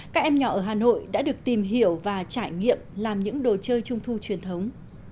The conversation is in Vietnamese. các em nhỏ ở hà nội đã được tìm hiểu và trải nghiệm làm những đồ chơi trung thu truyền thống